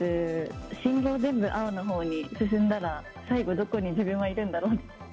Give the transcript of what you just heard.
信号全部青のほうに進んだら、最後、どこに自分はいるんだろう？